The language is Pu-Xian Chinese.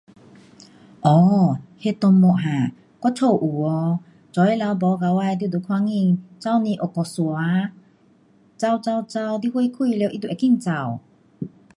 um 那动物哈，我家又噢，早起头爬起来你会看见厨房有壁虎，跑跑跑，你灯开了它就赶快跑。